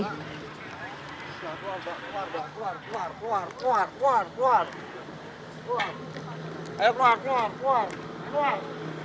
keluar keluar keluar keluar keluar